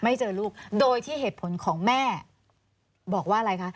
เจอลูกโดยที่เหตุผลของแม่บอกว่าอะไรคะ